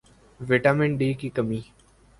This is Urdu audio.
وٹامن ڈی کی کمی